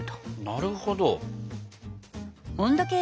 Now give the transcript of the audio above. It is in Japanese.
なるほど。